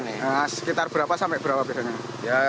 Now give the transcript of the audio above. nah sekitar berapa sampai berapa bedanya